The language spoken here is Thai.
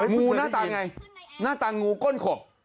งูหน้าตาไงหน้าตางูก้นขบ